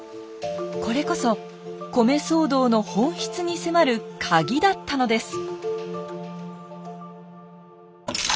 これこそ米騒動の本質に迫るカギだったのです。